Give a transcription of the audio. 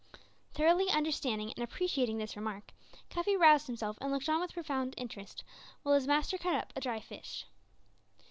Thoroughly understanding and appreciating this remark, Cuffy roused himself and looked on with profound interest, while his master cut up a dried fish.